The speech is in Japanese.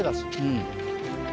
うん。